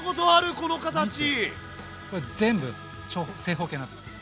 これ全部正方形になってます。